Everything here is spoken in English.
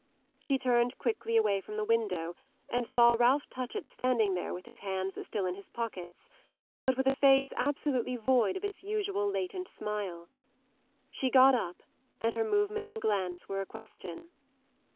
She turned quickly away from the window and saw Ralph Touchett standing there with his hands still in his pockets, but with a face absolutely void of its usual latent smile. She got up and her movement and glance were a question.